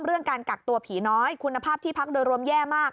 เรื่องการกักตัวผีน้อยคุณภาพที่พักโดยรวมแย่มาก